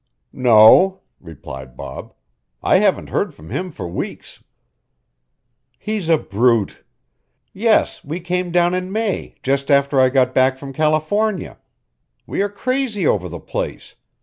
"No," replied Bob. "I haven't heard from him for weeks." "He's a brute. Yes, we came down in May just after I got back from California. We are crazy over the place.